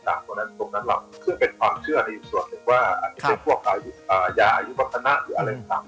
ตรงนั้นเป็นความเชื่อในยุคสวทธิ์ว่าอาหยุดวัฒนาอาหาร